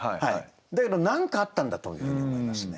だけど何かあったんだというふうに思いますね。